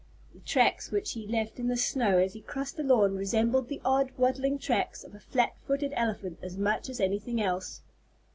The tracks which he left in the snow as he crossed the lawn resembled the odd, waddling tracks of a flat footed elephant as much as anything else.